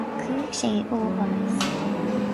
Chuaigh sé ó sholas.